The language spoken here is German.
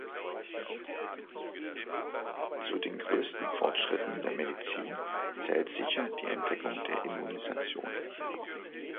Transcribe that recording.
Zu den größten Fortschritten der Medizin zählt sicher die Entdeckung der Immunisation.